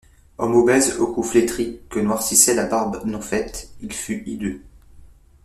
Homme obèse au cou flétri, que noircissait la barbe non faite, il fut hideux.